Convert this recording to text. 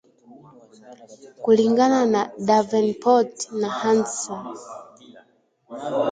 Kulingana na Davenport na Hannahs